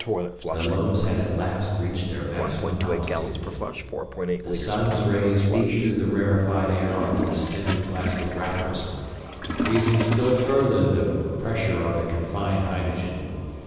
The loaves had at last reached their maximum altitude. The Sun's rays beat through the rarified air on the distended plastic wrappers, increasing still further the pressure of the confined hydrogen.